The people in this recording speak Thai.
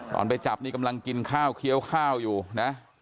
ไปจับนี่กำลังกินข้าวเคี้ยวข้าวอยู่นะ